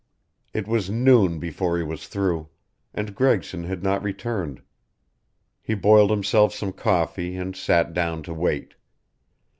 It was noon before he was through, and Gregson had not returned. He boiled himself some coffee and sat down to wait.